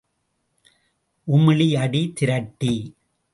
உமிழி, அடி, திரட்டி.